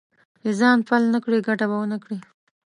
چې ځان پل نه کړې؛ ګټه به و نه کړې.